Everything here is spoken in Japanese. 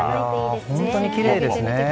本当にきれいですね。